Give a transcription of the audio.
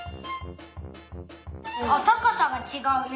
あったかさがちがうね。